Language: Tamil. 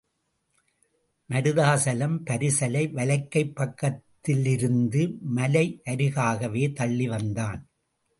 மருதாசலம் பரிசலை வலக்கைப் பக்கத்திலிருந்த மலையருகாகவே தள்ளி வந்தான்.